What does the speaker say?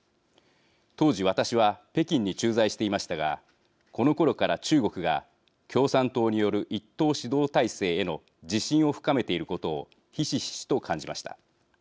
当時、私は北京に駐在していましたがこのころから中国が共産党による一党指導体制への自信を深めていることをひしひしと感じました。